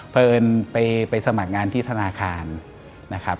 เพราะเอิญไปสมัครงานที่ธนาคารนะครับ